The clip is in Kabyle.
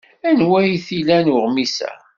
Anwa ay t-ilan uɣmis-a?